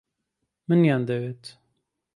منیان دەوێت.